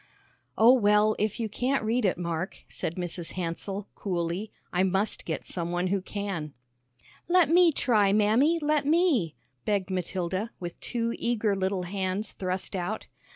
"Oh, well, if you can't read it, Mark," said Mrs. Hansell, coolly, "I must get some one who can." "Let me try, Mammy, let me," begged Matilda, with two eager little hands thrust out.